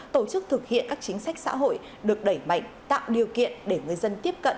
tổ chức thực hiện các chính sách xã hội được đẩy mạnh tạo điều kiện để người dân tiếp cận